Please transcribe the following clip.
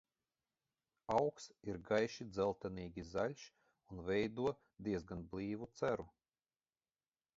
Augs ir gaiši dzeltenīgi zaļs un veido diezgan blīvu ceru.